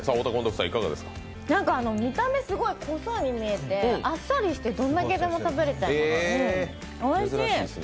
見た目すごい濃そうに見えて、あっさりしてどんだけでも食べれちゃいます。